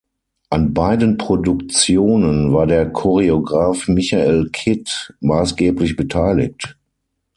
An beiden Produktionen war der Choreograf Michael Kidd maßgeblich beteiligt.